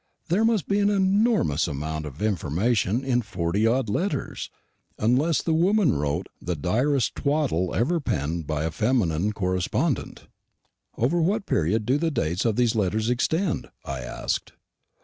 There must be an enormous amount of information in forty odd letters; unless the woman wrote the direst twaddle ever penned by a feminine correspondent. "Over what period do the dates of these letters extend?" I asked.